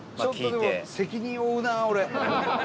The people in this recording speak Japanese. ちょっと、でも責任を負うな、俺。